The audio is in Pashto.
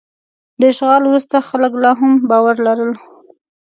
د اشغال وروسته خلک لا هم باور لرل.